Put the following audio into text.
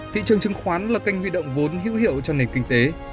thị trường chứng khoán là kênh huy động vốn hữu hiệu cho nền kinh tế